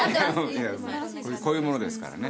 いやこういうものですからね。